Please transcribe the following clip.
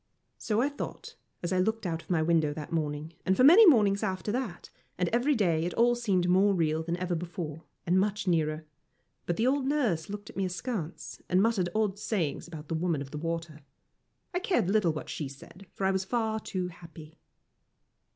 So I thought, as I looked out of my window that morning and for many mornings after that, and every day it all seemed more real than ever before, and much nearer. But the old nurse looked at me askance, and muttered odd sayings about the Woman of the Water. I cared little what she said, for I was far too happy.